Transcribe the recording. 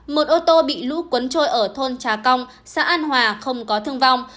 một ô tô bị lũ cuốn trôi ở thôn trà cong xã an hòa không có thương vong